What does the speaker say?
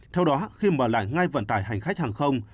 theo đó khi mở lại ngay vận tải hành khách hàng không